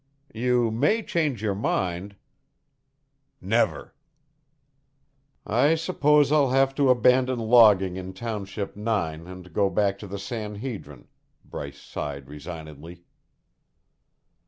"You may change your mind." "Never." "I suppose I'll have to abandon logging in Township Nine and go back to the San Hedrin," Bryce sighed resignedly.